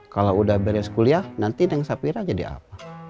kalau udah beres kuliah nanti neng sapira jadi apa